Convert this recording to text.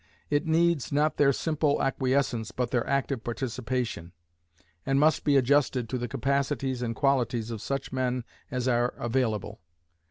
It needs, not their simple acquiescence, but their active participation; and must be adjusted to the capacities and qualities of such men as are available.